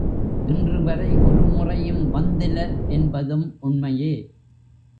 இன்று வரை ஒருமுறையும் வந்திலர் என்பதும் உண்மையே.